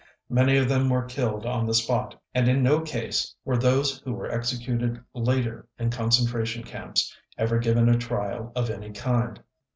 Many of them were killed on the spot, and in no case were those who were executed later in concentration camps ever given a trial of any kind.